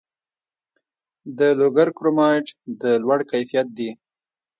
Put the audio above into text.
د لوګر کرومایټ د لوړ کیفیت دی